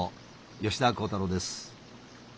吉田鋼太郎です。